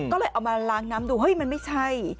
ก็เลยเอามาล้างน้ำดูเฮ้ยมันไม่ใช่